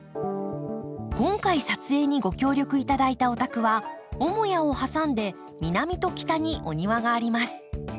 今回撮影にご協力頂いたお宅は母屋を挟んで南と北にお庭があります。